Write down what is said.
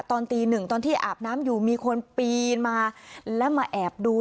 ตอนตีหนึ่งตอนที่อาบน้ำอยู่มีคนปีนมาและมาแอบดู